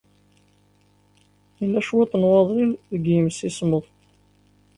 Yella cwiṭ n waḍil deg yimsismeḍ.